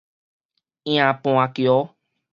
營盤橋